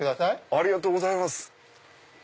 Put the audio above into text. ありがとうございます！